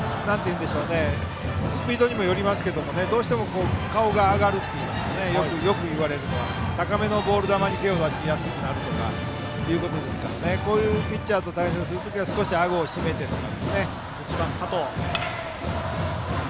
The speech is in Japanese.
スピードにもよりますがよく言われるのは、どうしても顔が上がるといいますか高めのボール球に手を出しやすくなるということですからこういうピッチャーと対戦する時は少しあごをしめてとか。